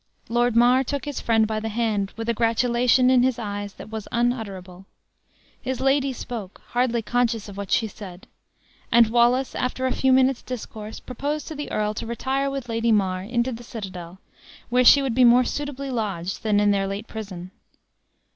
Lord Mar took his friend by the hand, with a gratulation in his eyes that was unutterable; his lady spoke, hardly conscious of what she said; and Wallace, after a few minutes' discourse, proposed to the earl to retire with Lady Mar into the citadel, where she would be more suitably lodged than in their late prison.